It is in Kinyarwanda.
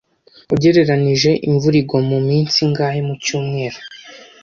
Ugereranije, imvura igwa iminsi ingahe mu cyumweru